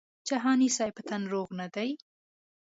جهاني صاحب په تن روغ نه دی.